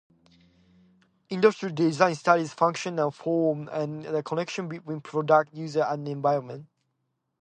Industrial design studies function and form-and the connection between product, user, and environment.